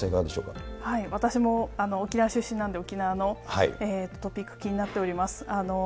私も沖縄出身なんで、沖縄のトピック、気になっております。